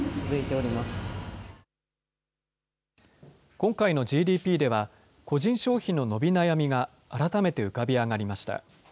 今回のＧＤＰでは、個人消費の伸び悩みが改めて浮かび上がりました。